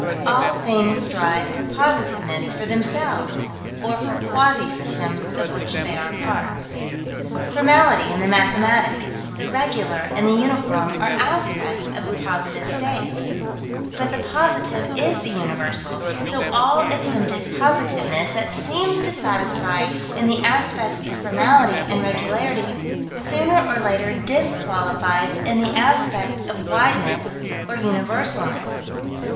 All things strive for positiveness, for themselves, or for quasi systems of which they are parts. Formality and the mathematic, the regular and the uniform are aspects of the positive state but the Positive is the Universal so all attempted positiveness that seems to satisfy in the aspects of formality and regularity, sooner or later disqualifies in the aspect of wideness or universalness.